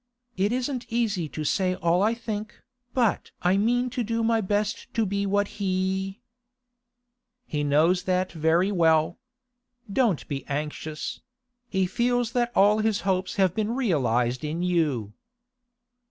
It isn't easy to say all I think, but I mean to do my best to be what he—' 'He knows that very well. Don't be anxious; he feels that all his hopes have been realised in you.